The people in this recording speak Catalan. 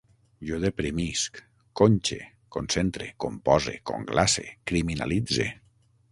Jo deprimisc, conxe, concentre, compose, conglace, criminalitze